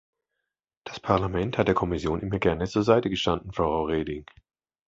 Das Parlament hat der Kommission immer gerne zur Seite gestanden, Frau Reding.